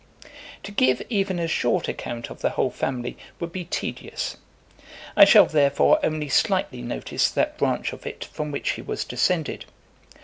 III. To give even a short account of the whole family, would be tedious. I shall, therefore, only slightly notice that branch of it from which he was descended.